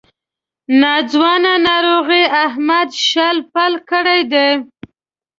ناځوانه ناروغۍ احمد شل پل کړی دی.